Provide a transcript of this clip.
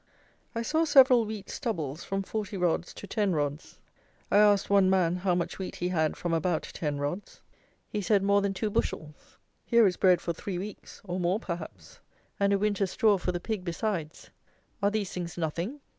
I saw several wheat stubbles from 40 rods to 10 rods. I asked one man how much wheat he had from about 10 rods. He said more than two bushels. Here is bread for three weeks, or more perhaps; and a winter's straw for the pig besides. Are these things nothing?